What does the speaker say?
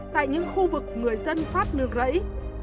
tại những khu vực người dân phát nương rẫy